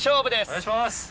お願いします。